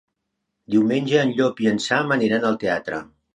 Diumenge en Llop i en Sam aniran al teatre.